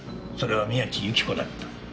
それは宮地由起子だった。